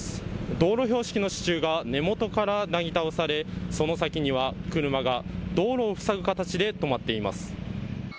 道路標識の支柱が根元からなぎ倒され、その先には車が道路を塞ぐ形で止まっています。